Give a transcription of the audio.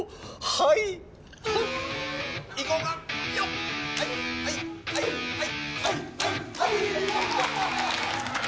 はいはいはい！